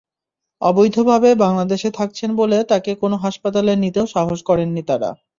অবৈধভাবে বাংলাদেশে থাকছেন বলে তাঁকে কোনো হাসপাতালে নিতেও সাহস করেননি তাঁরা।